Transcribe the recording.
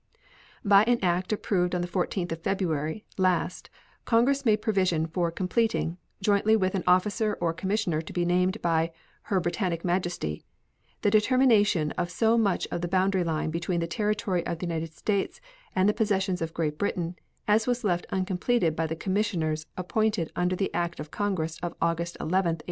By an act approved on the 14th day of February last Congress made provision for completing, jointly with an officer or commissioner to be named by Her Britannic Majesty, the determination of so much of the boundary line between the territory of the United States and the possessions of Great Britain as was left uncompleted by the commissioners appointed under the act of Congress of August 11, 1856.